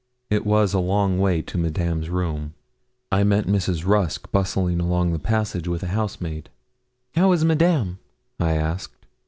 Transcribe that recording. It was a long way to Madame's room. I met Mrs. Rusk bustling along the passage with a housemaid. 'How is Madame?' I asked.